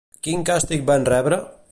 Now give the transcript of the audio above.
Quin càstig van rebre?